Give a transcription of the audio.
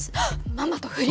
ママと不倫！？